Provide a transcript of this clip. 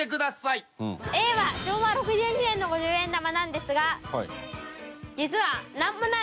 Ａは昭和６２年の５０円玉なんですが。